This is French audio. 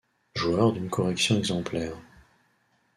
Joueur d'une correction exemplaire.